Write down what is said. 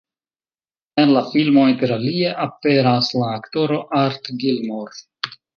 En la filmo interalie aperas la aktoro Art Gilmore.